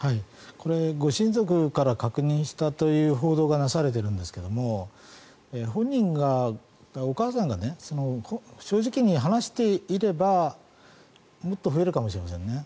これ、ご親族から確認したという報道がなされているんですけれども本人が、お母さんが正直に話していればもっと増えるかもしれませんね。